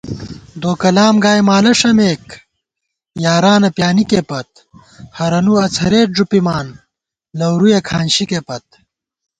دوکلام گائی مالہ ݭَمېک، یارانہ پیانِکےپت * ہرَنُو اڅَھرېت ݫُپِمان لَورُیَہ کھانشِکےپت